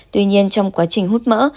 tuy nhiên trong quá trình hút mỡ